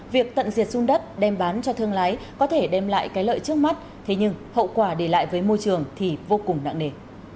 việc tận diệt dung đất đem bán cho thương lái có thể đem lại cái lợi trước mắt thế nhưng hậu quả để lại với môi trường thì vô cùng nặng nề